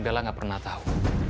bella gak pernah tau